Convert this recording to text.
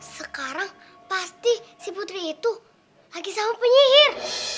sekarang pasti si putri itu lagi sama penyihir